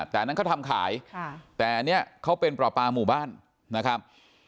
แต่นั้นเขาทำขายแต่เนี่ยเขาเป็นปลาปลามู่บ้านนะครับ